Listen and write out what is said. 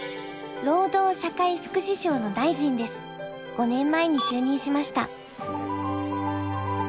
５年前に就任しました。